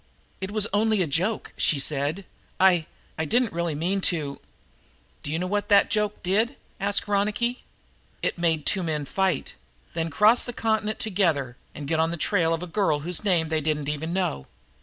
"It was only a joke," she said. "I I didn't really mean to " "Do you know what that joke did?" asked Ronicky. "It made two men fight, then cross the continent together and get on the trail of a girl whose name they didn't even know.